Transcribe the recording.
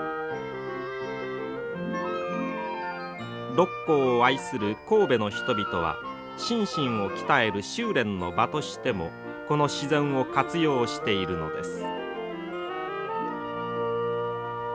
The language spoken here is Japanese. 六甲を愛する神戸の人々は心身を鍛える修練の場としてもこの自然を活用しているのです。